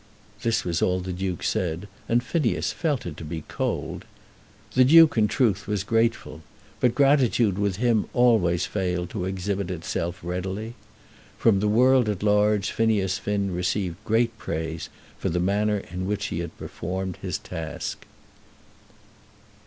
This was all the Duke said, and Phineas felt it to be cold. The Duke, in truth, was grateful; but gratitude with him always failed to exhibit itself readily. From the world at large Phineas Finn received great praise for the manner in which he had performed his task.